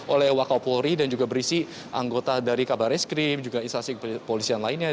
oleh wakau polri dan juga berisi anggota dari kabar eskrim juga instansi kepolisian lainnya